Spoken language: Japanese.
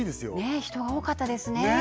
え人が多かったですね